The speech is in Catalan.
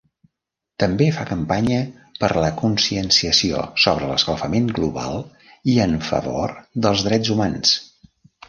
També fa campanya per la conscienciació sobre l'escalfament global i en favor dels drets humans.